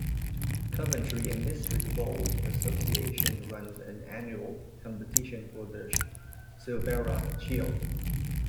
Coventry and District Bowls Association runs an annual competition for the Silvera Shield.